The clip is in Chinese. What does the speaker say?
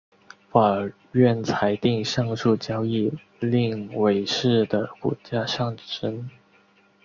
法院裁定上述交易令伟仕的股价上升。